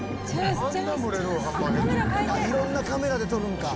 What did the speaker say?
「色んなカメラで撮るんか」